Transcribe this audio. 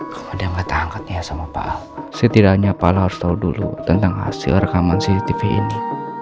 kemudian kata angkatnya sama pak al setidaknya pak al harus tahu dulu tentang hasil rekaman cctv ini